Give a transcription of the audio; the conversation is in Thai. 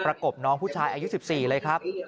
ปรากบน้องผู้ชายคนนั้นอายุ๑๔เลยครับ